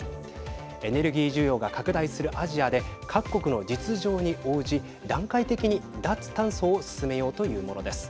エネルギー需要が拡大するアジアで各国の実情に応じ段階的に脱炭素を進めようというものです。